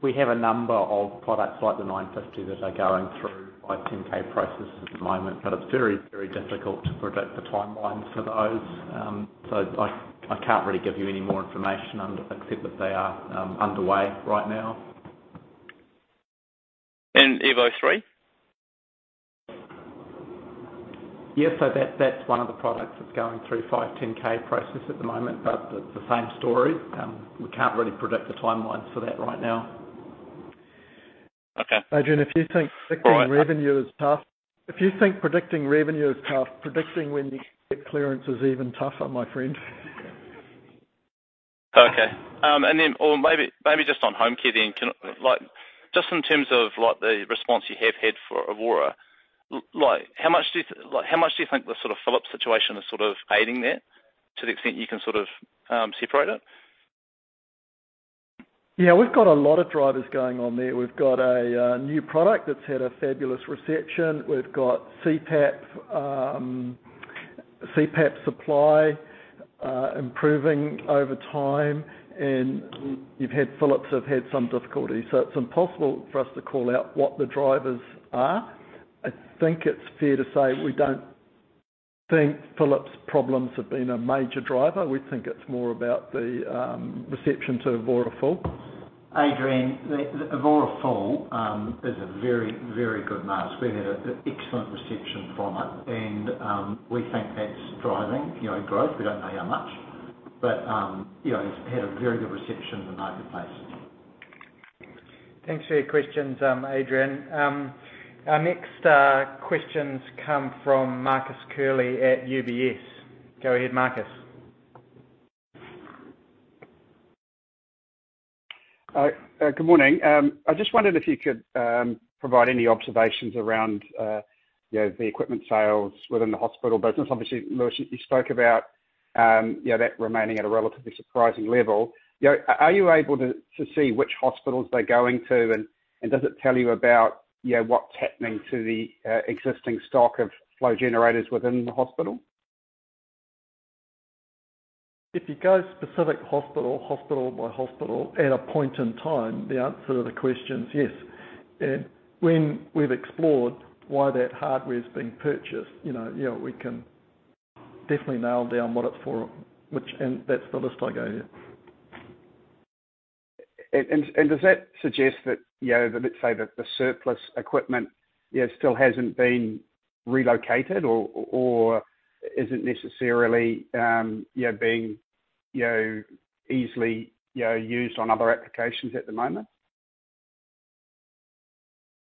We have a number of products like the F&P 950 that are going through 510(k) processes at the moment. It's very difficult to predict the timelines for those. I can't really give you any more information under, except that they are underway right now. Airvo 3? Yes. That's one of the products that's going through 510(k) process at the moment. It's the same story. We can't really predict the timelines for that right now. Okay. Adrian, if you think predicting revenue is tough. If you think predicting revenue is tough, predicting when you get clearance is even tougher, my friend. Maybe just on Homecare then can, like, just in terms of like the response you have had for Evora, like how much do you, like how much do you think the sort of Philips situation is sort of aiding that to the extent you can sort of separate it? Yeah. We've got a lot of drivers going on there. We've got a new product that's had a fabulous reception. We've got CPAP supply improving over time. You've had Philips have had some difficulties. It's impossible for us to call out what the drivers are. I think it's fair to say we don't think Philips' problems have been a major driver. We think it's more about the reception to Evora Full. Adrian, the Evora Full, is a very, very good mask. We've had a excellent reception from it, and, we think that's driving, you know, growth. We don't know how much, but, you know, it's had a very good reception in the marketplace. Thanks for your questions, Adrian. Our next questions come from Marcus Curley at UBS. Go ahead, Marcus. Good morning. I just wondered if you could provide any observations around, you know, the equipment sales within the Hospital business. Obviously, Lewis, you spoke about you know, that remaining at a relatively surprising level. You know, are you able to see which hospitals they're going to, and does it tell you about, you know, what's happening to the existing stock of flow generators within the hospital? If you go specific hospital by hospital at a point in time, the answer to the question is yes. When we've explored why that hardware is being purchased, you know, we can definitely nail down what it's for. That's the list I gave you. Does that suggest that, you know, let's say that the surplus equipment, you know, still hasn't been relocated or isn't necessarily, you know, being, you know, easily, you know, used on other applications at the moment?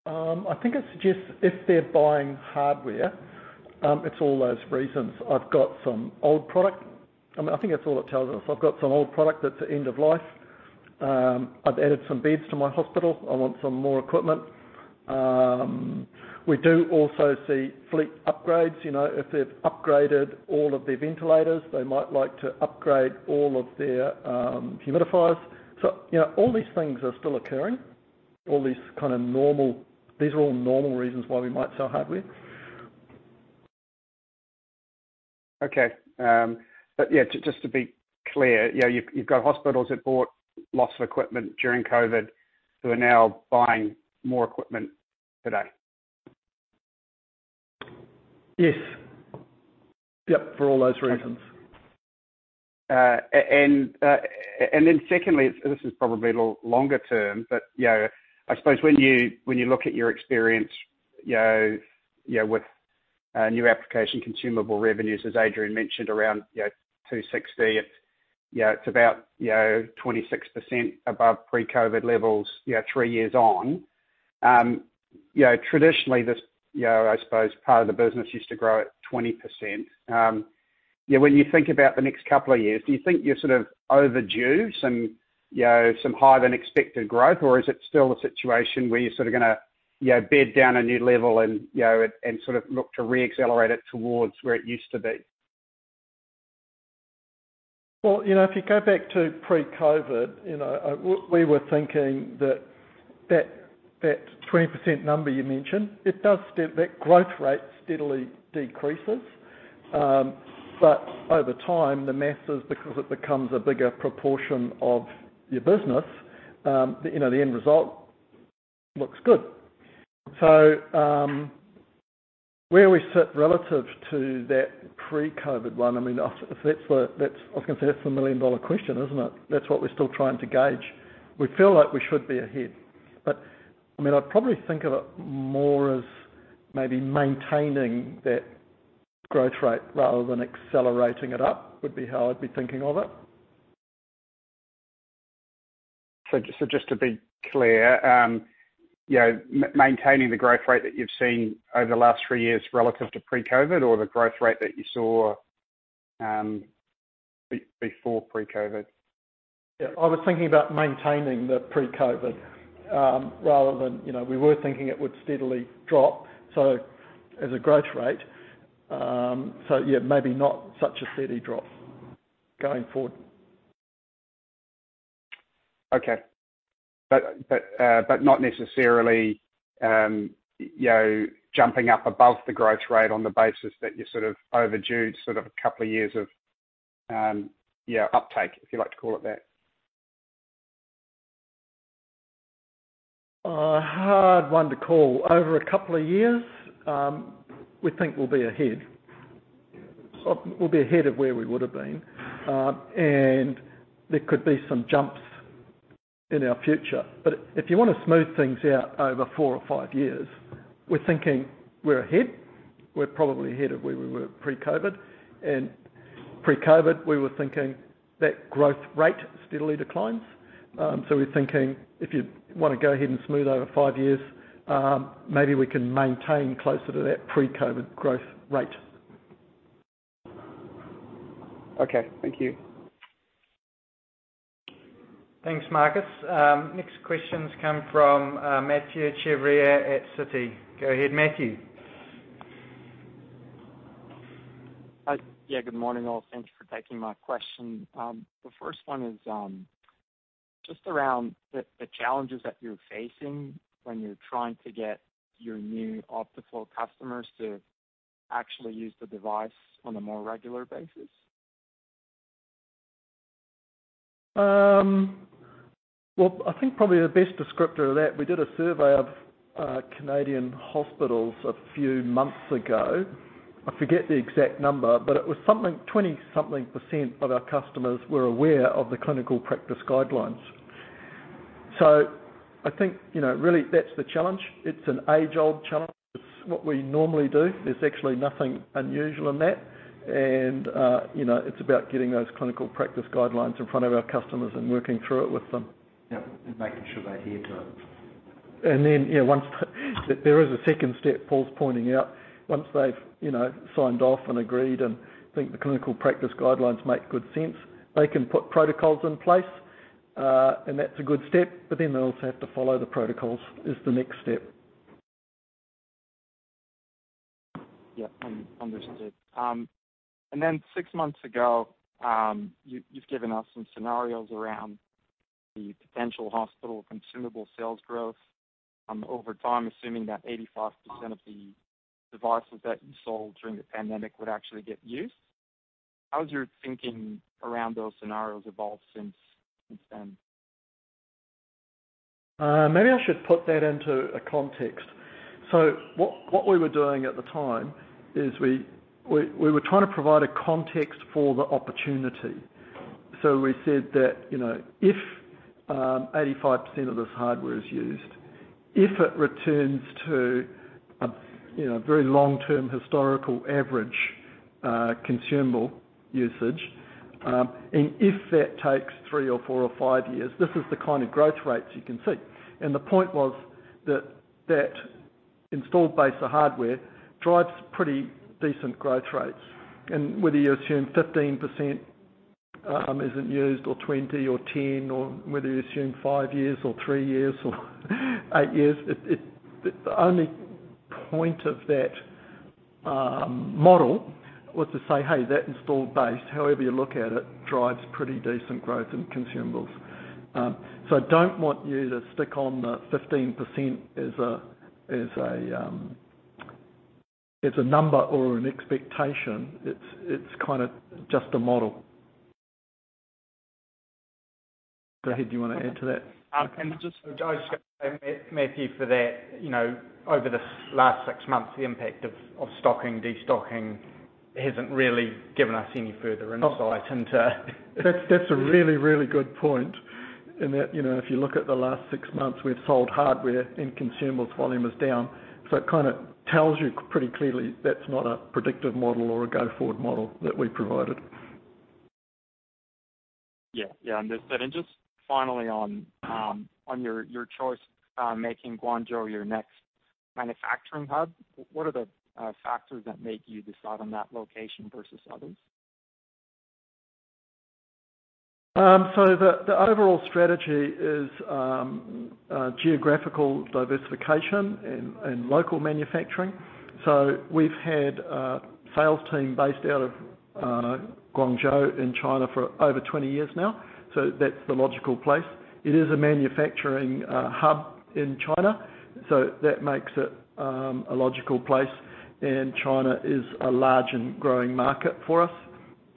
I think it suggests if they're buying hardware, it's all those reasons. I've got some old product. I mean, I think that's all it tells us. I've got some old product that's end of life. I've added some beds to my hospital. I want some more equipment. We do also see fleet upgrades. You know, if they've upgraded all of their ventilators, they might like to upgrade all of their humidifiers. You know, all these things are still occurring. These are all normal reasons why we might sell hardware. Okay. yeah, just to be clear, you know, you've got hospitals that bought lots of equipment during COVID who are now buying more equipment today. Yes. Yep, for all those reasons. Then secondly, this is probably longer term. You know, I suppose when you, when you look at your experience, you know, you know, with new application consumable revenues, as Adrian mentioned around, you know, 260, you know, it's about, you know, 26% above pre-COVID levels, you know, three years on. You know, traditionally, this, you know, I suppose part of the business used to grow at 20%. You know, when you think about the next couple of years, do you think you're sort of overdue some, you know, some higher-than-expected growth? Is it still a situation where you're sorta gonna, you know, bed down a new level and, you know, and sort of look to re-accelerate it towards where it used to be? Well, you know, if you go back to pre-COVID, you know, we were thinking that 20% number you mentioned, that growth rate steadily decreases. Over time, the masses, because it becomes a bigger proportion of your business, you know, the end result looks good. Where we sit relative to that pre-COVID one, I mean, that's the million-dollar question, isn't it? That's what we're still trying to gauge. We feel like we should be ahead, I mean, I'd probably think of it more as maybe maintaining that growth rate rather than accelerating it up, would be how I'd be thinking of it. Just to be clear, you know, maintaining the growth rate that you've seen over the last three years relative to pre-COVID or the growth rate that you saw, before pre-COVID? Yeah. I was thinking about maintaining the pre-COVID, rather than, you know, we were thinking it would steadily drop, so as a growth rate. Yeah, maybe not such a steady drop going forward. Okay. Not necessarily, you know, jumping up above the growth rate on the basis that you're sort of overdue a couple of years of, yeah, uptake, if you like to call it that. A hard one to call. Over two years, we think we'll be ahead. We'll be ahead of where we would have been, there could be some jumps in our future. If you wanna smooth things out over four or five years, we're thinking we're ahead. We're probably ahead of where we were pre-COVID, and pre-COVID, we were thinking that growth rate steadily declines. We're thinking if you wanna go ahead and smooth over five years, maybe we can maintain closer to that pre-COVID growth rate. Okay. Thank you. Thanks, Marcus. Next questions come from Mathieu Chevrier at Citi. Go ahead, Mathieu. Yeah, good morning, all. Thanks for taking my question. The first one is just around the challenges that you're facing when you're trying to get your new Optiflow customers to actually use the device on a more regular basis. Well, I think probably the best descriptor of that, we did a survey of Canadian hospitals a few months ago. I forget the exact number, but it was something, 20 something percent of our customers were aware of the clinical practice guidelines. I think, you know, really that's the challenge. It's an age-old challenge. It's what we normally do. There's actually nothing unusual in that. You know, it's about getting those clinical practice guidelines in front of our customers and working through it with them. Yeah. Making sure they adhere to it. Yeah, once there is a second step, Paul Shearer's pointing out. Once they've, you know, signed off and agreed and think the clinical practice guidelines make good sense, they can put protocols in place, and that's a good step, but then they also have to follow the protocols is the next step. Yeah, understood. Six months ago, you've given us some scenarios around the potential Hospital consumable sales growth over time, assuming that 85% of the devices that you sold during the pandemic would actually get used. How has your thinking around those scenarios evolved since then? Maybe I should put that into a context. What we were doing at the time is we were trying to provide a context for the opportunity. We said that, you know, if 85% of this hardware is used, if it returns to, you know, very long-term historical average consumable usage, and if that takes three or four or five years, this is the kind of growth rates you can see. The point was that that installed base of hardware drives pretty decent growth rates. Whether you assume 15% isn't used or 20 or 10, or whether you assume five years or three years or eight years, the only point of that model was to say, hey, that installed base, however you look at it, drives pretty decent growth in consumables. I don't want you to stick on the 15% as a, as a number or an expectation. It's kinda just a model. Go ahead. Do you wanna add to that? Um, and just- I was just gonna say, Mathieu, for that, you know, over the last six months, the impact of stocking, destocking hasn't really given us any further insight into... That's a really, really good point in that, you know, if you look at the last six months, we've sold hardware and consumables volume is down. It kinda tells you pretty clearly that's not a predictive model or a go-forward model that we provided. Yeah. Yeah, understood. Just finally on your choice on making Guangzhou your next manufacturing hub, what are the factors that make you decide on that location versus others? The overall strategy is geographical diversification and local manufacturing. We've had a sales team based out of Guangzhou in China for over 20 years now, so that's the logical place. It is a manufacturing hub in China, so that makes it a logical place. China is a large and growing market for us,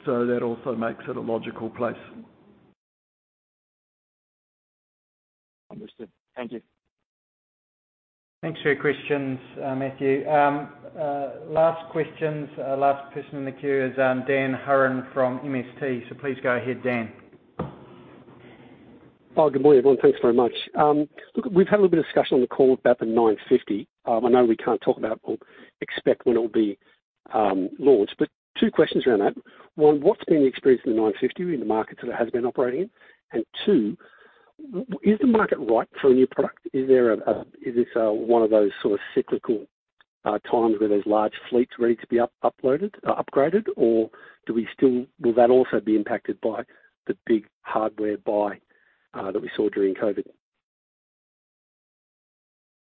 so that also makes it a logical place. Understood. Thank you. Thanks for your questions, Mathieu. last questions, last person in the queue is, Dan Hurren from MST. Please go ahead, Dan. Good morning, everyone. Thanks very much. Look, we've had a little bit of discussion on the call about the F&P 950. I know we can't talk about or expect when it will be launched, but two questions around that. One, what's been the experience in the F&P 950 in the markets that it has been operating in? Two, is the market right for a new product? Is this one of those sort of cyclical times where there's large fleets ready to be upgraded, or will that also be impacted by the big hardware buy that we saw during COVID?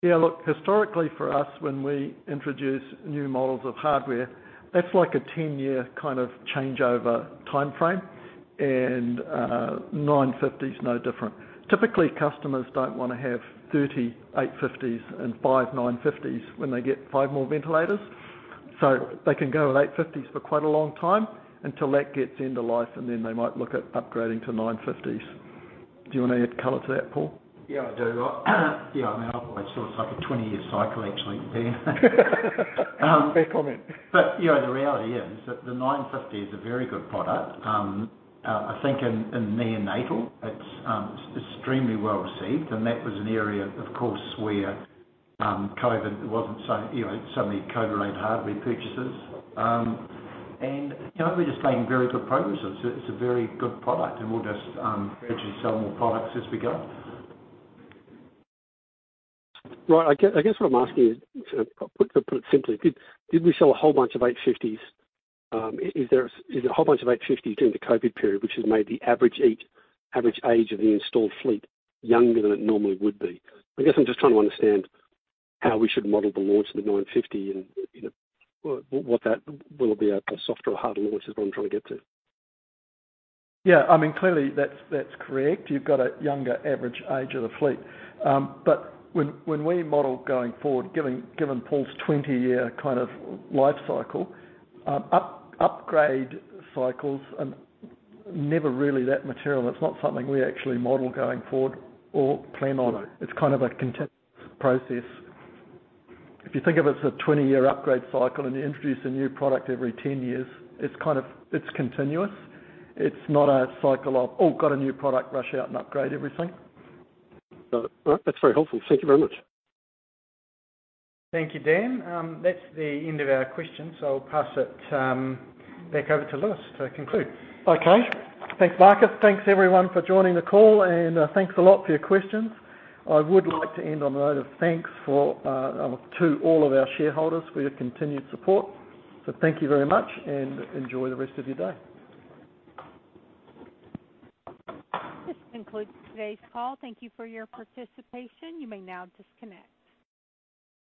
Yeah, look, historically for us, when we introduce new models of hardware, that's like a 10-year kind of changeover timeframe. 950 is no different. Typically, customers don't wanna have 30 850s and five 950s when they get five more ventilators. They can go with 850s for quite a long time until that gets end of life, and then they might look at upgrading to 950s. Do you wanna add color to that, Paul? Yeah, I do. Yeah, I mean, otherwise, so it's like a 20-year cycle, actually, Dan. Fair comment. You know, the reality is that the F&P 950 is a very good product. I think in neonatal, it's extremely well received, and that was an area, of course, where COVID wasn't, you know, suddenly COVID-related hardware purchases. You know, we're just making very good progress. It's a very good product, we'll just gradually sell more products as we go. Right. I guess what I'm asking is, sort of put, to put it simply, did we sell a whole bunch of 850s? Is it a whole bunch of 850s in the COVID period, which has made the average age of the installed fleet younger than it normally would be? I guess I'm just trying to understand how we should model the launch of the 950 and, you know, will it be a soft or a hard launch is what I'm trying to get to. I mean, clearly that's correct. You've got a younger average age of the fleet. When we model going forward, given Paul's 20-year kind of life cycle, upgrade cycles are never really that material. It's not something we actually model going forward or plan on. It's kind of a continuous process. If you think of it as a 20-year upgrade cycle and you introduce a new product every 10 years, it's kind of, it's continuous. It's not a cycle of, oh, got a new product, rush out and upgrade everything. Got it. All right. That's very helpful. Thank you very much. Thank you, Dan. That's the end of our questions, so I'll pass it back over to Lewis to conclude. Okay. Thanks, Marcus. Thanks, everyone, for joining the call, and thanks a lot for your questions. I would like to end on a note of thanks for to all of our shareholders for your continued support. Thank you very much and enjoy the rest of your day. This concludes today's call. Thank you for your participation. You may now disconnect.